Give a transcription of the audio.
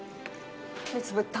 目つぶった。